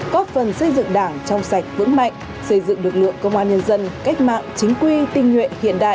góp phần xây dựng đảng trong sạch vững mạnh xây dựng lực lượng công an nhân dân cách mạng chính quy tinh nguyện hiện đại